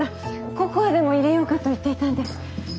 ココアでもいれようかと言っていたんです。